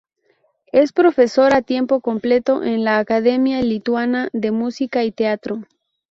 Es profesor a tiempo completo en la Academia Lituana de Música y Teatro.